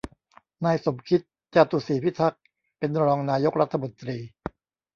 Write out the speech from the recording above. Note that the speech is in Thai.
นายสมคิด จาตุศรีพิทักษ์ เป็นรองนายกรัฐมนตรี